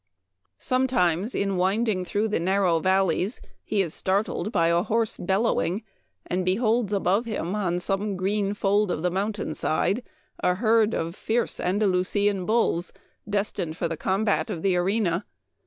Sometimes in winding through the nar row valleys he is startled by a hoarse bellowing, and beholds above him on some green fold of the mountain side a herd of fierce Andalusian bulls destined for the combat of the arena.